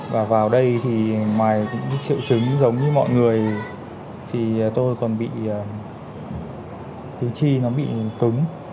và vào đây thì ngoài những triệu chứng giống như mọi người thì tôi còn bị thứ chi nó bị cứng